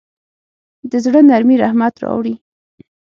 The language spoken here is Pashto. د زړه نرمي رحمت راوړي.